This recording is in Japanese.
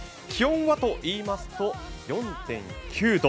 気温はといいますと４．９度。